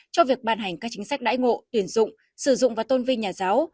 cho việc ban hành các chính sách đãi ngộ tiền dụng sử dụng và tôn vi nhà giáo